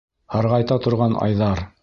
Һарғайта торған айҙар.